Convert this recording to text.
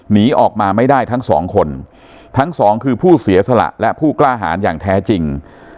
หนีออกมาไม่ได้ทั้งสองคนทั้งสองคือผู้เสียสละและผู้กล้าหารอย่างแท้จริง